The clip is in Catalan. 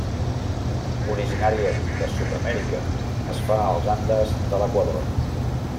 Originària de Sud-amèrica, es fa als Andes de l'Equador.